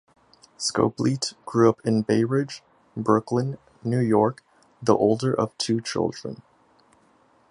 Scoblete grew up in Bay Ridge, Brooklyn, New York, the older of two children.